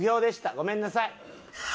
ごめんなさい。